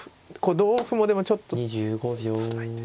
同歩もでもちょっとつらいですけどね。